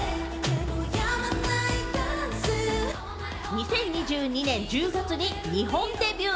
２０２２年１０月に日本デビュー。